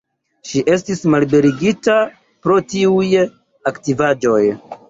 Ŝi estis malliberigita pro tiuj aktivaĵoj.